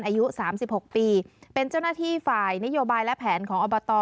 อายุ๓๖ปีเป็นเจ้าหน้าที่ฝ่ายนโยบายและแผนของอบต